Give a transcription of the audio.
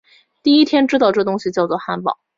第一天知道这东西叫作汉堡